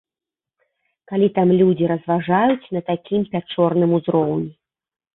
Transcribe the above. Калі там людзі разважаюць на такім пячорным узроўні.